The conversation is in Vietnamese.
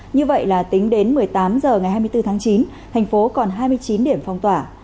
như vậy là tính đến một mươi tám h ngày hai mươi bốn tháng chín thành phố còn hai mươi chín điểm phong tỏa